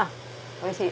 おいしい？